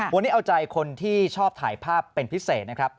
วันนี้เอาใจคนที่ชอบถ่ายภาพเป็นพิเศษนะครับ